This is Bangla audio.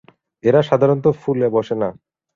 এরা সাধারণত ফুলে বসে না।